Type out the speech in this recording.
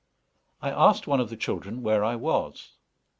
I asked one of the children where I was.